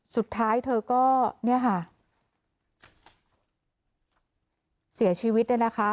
สุดท้ายเธอก็เสียชีวิต